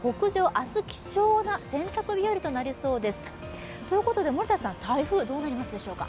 明日貴重な洗濯日和となりそうです、ということで、台風、どうなりますか？